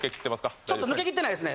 ちょっと抜けきってないですね